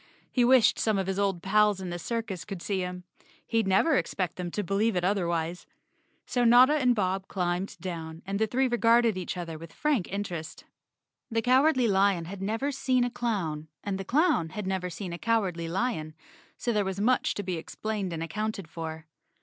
He wished some of his old pals in the circus could see him. He'd never expect them to believe it otherwise. So Notta and Bob climbed down and the three regarded each other with frank interest. The Cowardly Lion had never seen a clown and the clown had never seen a Cowardly Lion, so there was much to be explained and accounted for.